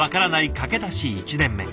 駆け出し１年目。